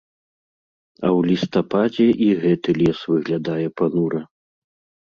А ў лістападзе і гэты лес выглядае панура.